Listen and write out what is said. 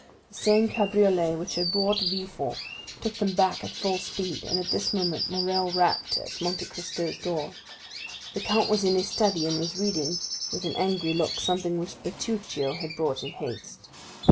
The same cabriolet which had brought Villefort took them back at full speed, and at this moment Morrel rapped at Monte Cristo's door. The count was in his study and was reading with an angry look something which Bertuccio had brought in haste.